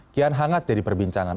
kian hangat jadi perbincangan